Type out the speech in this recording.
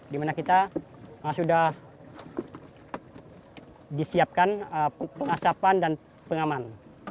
di mana kita sudah disiapkan pengasapan dan pengaman